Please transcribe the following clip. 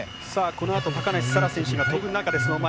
このあと高梨沙羅選手が飛ぶ中で、その前。